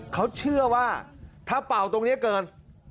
เขาเชื่อว่าถ้าเป่าตรงนี้เกิน